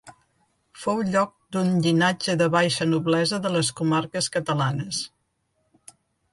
Fou lloc d'un llinatge de baixa noblesa de les comarques catalanes.